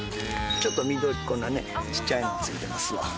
ちょっと緑こんなねちっちゃいのがついてますわ。